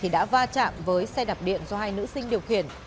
đã va chạm với xe đạp điện do hai nữ sinh điều khiển